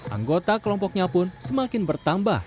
anggota kelompoknya pun semakin bertambah